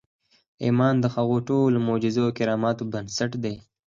ایمان د هغو ټولو معجزو او کراماتو بنسټ دی